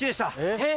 えっ！